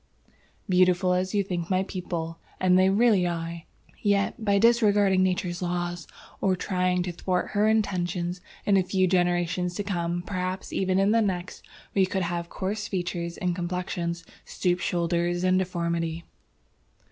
"Beautiful as you think my people, and as they really are, yet, by disregarding nature's laws, or trying to thwart her intentions, in a few generations to come, perhaps even in the next, we could have coarse features and complexions, stoop shoulders and deformity.